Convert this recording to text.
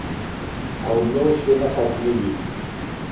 او نوش یې نه ختمیږي